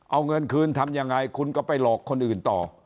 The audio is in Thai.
เอาเงินคืนทำยังไงคุณก็ไปหลอกคนอื่นต่อ